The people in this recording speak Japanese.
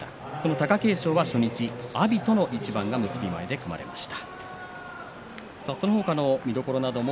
貴景勝は初日、阿炎との一番が結び前で組まれました。